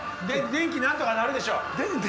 「電気なんとかなるでしょ」。